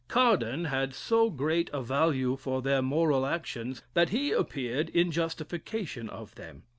Cardan had so great a value for their moral actions, that he appeared in justification of them.